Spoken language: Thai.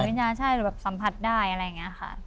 เห็นวิญญาณใช่สัมผัสได้อะไรอย่างนี้ค่ะ